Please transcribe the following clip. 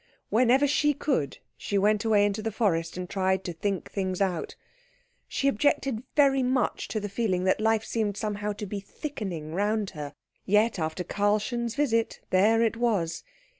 Whenever she could, she went away into the forest and tried to think things out. She objected very much to the feeling that life seemed somehow to be thickening round her yet, after Karlchen's visit there it was.